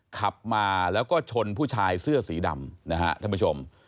ขับมาแล้วก็ชนผู้ชายเสื้อสีดำนะฮะท่านผู้ชม